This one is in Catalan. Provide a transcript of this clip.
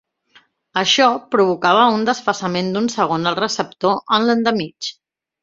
Això provocava un desfasament d'un segon al receptor en l'endemig.